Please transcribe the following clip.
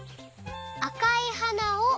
「あかいはなを」